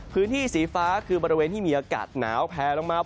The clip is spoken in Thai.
พื้นที่สีฟ้าคือบริเวณที่มีอากาศหนาวแพลลงมา